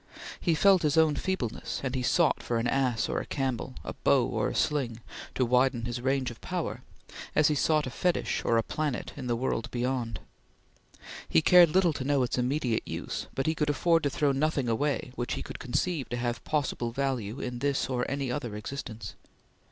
He felt his own feebleness, and he sought for an ass or a camel, a bow or a sling, to widen his range of power, as he sought fetish or a planet in the world beyond. He cared little to know its immediate use, but he could afford to throw nothing away which he could conceive to have possible value in this or any other existence.